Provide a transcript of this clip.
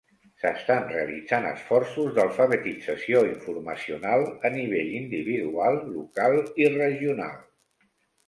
S'estan realitzant esforços d'alfabetització informacional a nivell individual, local i regional.